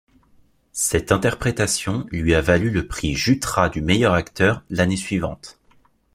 Cette interprétation lui a valu le prix Jutra du meilleur acteur l’année suivante.